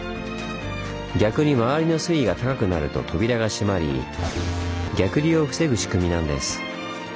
逆に周りの水位が高くなると扉が閉まり逆流を防ぐ仕組みなんです。